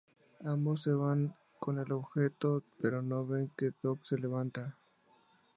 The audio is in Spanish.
Ambos se van con el objeto, pero no ven que Doc se levanta.